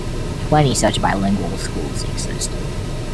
Twenty such bilingual schools exist.